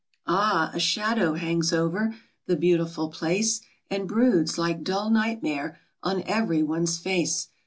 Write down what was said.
Ah ! a shadow hangs over the beautiful place, And broods, like dull nightmare, on every one's face.